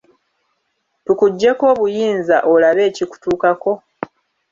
Tukuggyeeko obuyinza olabe ekikutuukako?